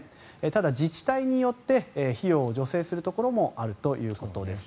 ただ、自治体によって費用を助成するところもあるということです。